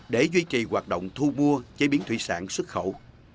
để duy trì hoạt động thu mua chế biến thủy sản xuất khẩu